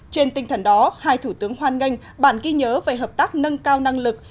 trên tinh thần đó hai thủ tướng hoan nghênh bản ghi nhớ về hợp tác nâng cao năng lực